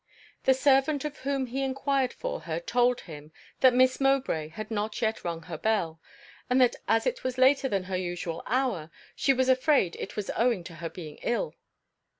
The servant of whom he enquired for her, told him, that Miss Mowbray had not yet rung her bell, and that as it was later than her usual hour, she was afraid it was owing to her being ill.